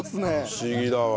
不思議だわ。